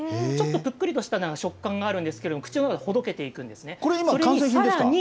ちょっとぷっくりとした食感があるんですけれど口の中でほどけていくんですね。